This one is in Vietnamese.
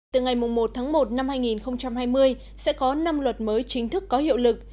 từ ngày một tháng một năm hai nghìn hai mươi sẽ có năm luật mới chính thức có hiệu lực